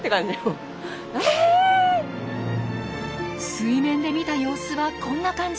水面で見た様子はこんな感じ。